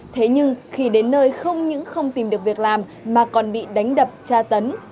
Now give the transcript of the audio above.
thế nhưng khi đến nơi không những không tìm được việc làm mà còn bị đánh đập tra tấn